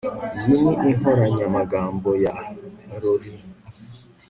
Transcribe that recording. Iyi ni inkoranyamagambo ya Laurie